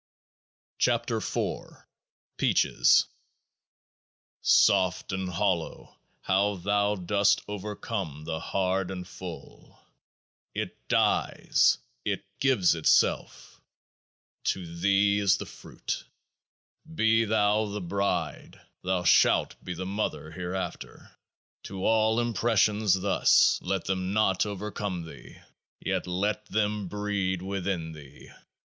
11 KEOAAH B PEACHES Soft and hollow, how thou dost overcome the hard and full ! It dies, it gives itself ; to Thee is the fruit ! Be thou the Bride ; thou shalt be the Mother hereafter. To all impressions thus. Let them not over come thee ; yet let them breed within thee.